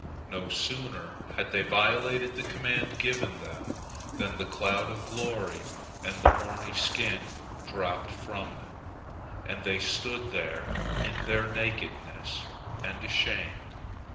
No sooner had they violated the command given them than the cloud of glory and the horny skin dropped from them, and they stood there in their nakedness, and ashamed.